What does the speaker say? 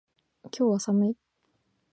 今日は寒い